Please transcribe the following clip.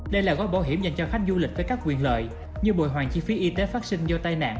đây là gói bảo hiểm dành cho khách du lịch với các quyền lợi như bồi hoàn chi phí y tế phát sinh do tai nạn